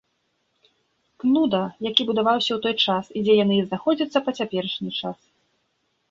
Кнуда, які будаваўся ў той час і дзе яны і знаходзяцца па цяперашні час.